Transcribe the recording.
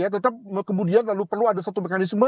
tetap kemudian lalu perlu ada satu mekanisme